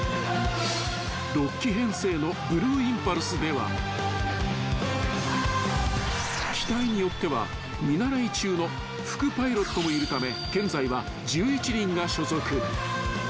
［６機編成のブルーインパルスでは機体によっては見習い中の副パイロットもいるため現在は１１人が所属］